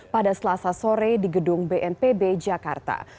pada selasa sore di gedung bnpb jakarta